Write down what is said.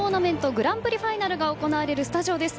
グランプリファイナルが行われるスタジオです。